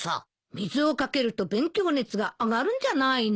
水を掛けると勉強熱が上がるんじゃないの？